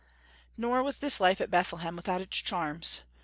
Nor was this life at Bethlehem without its charms.